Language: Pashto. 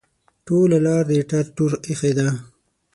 ټوله لار دې ټر ټور ایښی ده.